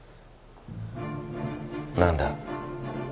何だ？